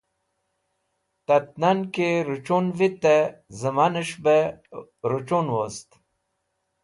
Tat nan ki rochun vitẽ zẽmanes̃h bẽ rochun wost.